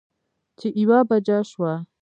چې يوه بجه شوه